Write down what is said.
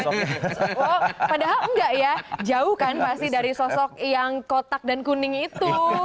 wah padahal enggak ya jauh kan pasti dari sosok yang kotak dan kuning itu